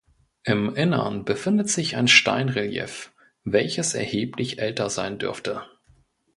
Im Innern befindet sich ein Steinrelief, welches erheblich älter sein dürfte.